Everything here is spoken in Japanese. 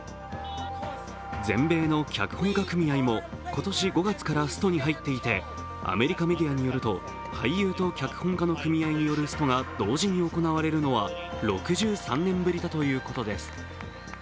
全米の脚本家組合も今年５月からストに入っていてアメリカメディアによると俳優と脚本家の組合によるストが同時に行われるのは６３年ぶりだということです。